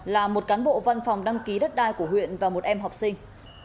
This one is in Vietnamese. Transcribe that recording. là một cán bộ văn phòng đăng ký đất đai của huyện và một em học sinh